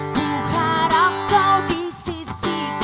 ku harap kau di sisiku